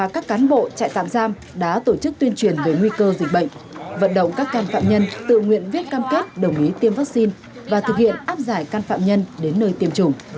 công tác tuyên truyền cho can phạm nhân đăng ký tham gia tiêm